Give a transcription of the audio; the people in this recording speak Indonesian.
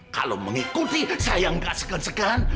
kalo mengikuti saya gak segan segan